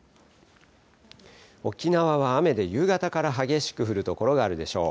沖縄は雨で夕方から激しく降る所があるでしょう。